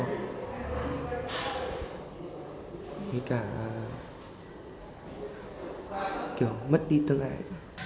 kể cả kiểu mất đi tương ái